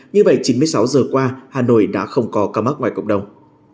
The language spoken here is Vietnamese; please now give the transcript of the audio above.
như vậy chín mươi sáu giờ qua hà nội đã không có ca mắc ngoài cộng đồng